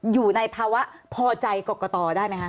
อยู่ในภาวะพอใจกรกตได้ไหมคะ